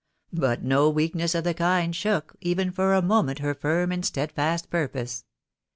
But no weakness of the kind shook, even for a moment, her firm and steadfast pur230se.